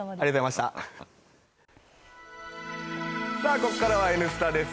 ここからは「Ｎスタ」です